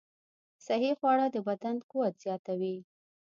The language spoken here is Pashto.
صحي خواړه د بدن قوت زیاتوي.